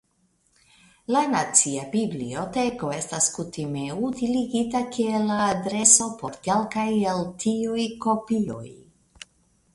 La nacia biblioteko estas kutime utiligita kiel la adreso por kelkaj el tiuj kopioj.